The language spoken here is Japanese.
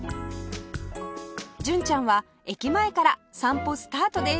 純ちゃんは駅前から散歩スタートです